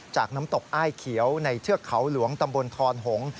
น้ำตกอ้ายเขียวในเทือกเขาหลวงตำบลทอนหงษ์